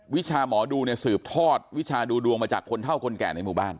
วิชาหมอดูเนี่ยสืบทอดวิชาดูดวงมาจากคนเท่าคนแก่ในหมู่บ้าน